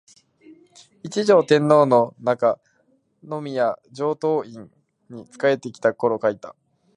一条天皇の中宮上東門院（藤原道長の娘彰子）に仕えていたころに書いた